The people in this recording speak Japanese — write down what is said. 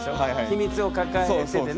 秘密を抱えててね。